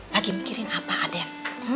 lagi mikirin apa aden